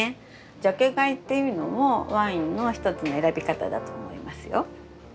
ジャケ買いっていうのもワインの一つの選び方だと思いますよ。